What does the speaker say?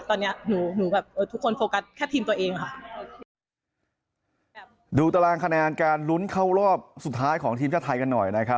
ตอนเนี้ยหนูหนูแบบเออทุกคนโฟกัสแค่ทีมตัวเองค่ะดูตารางคะแนนการลุ้นเข้ารอบสุดท้ายของทีมชาติไทยกันหน่อยนะครับ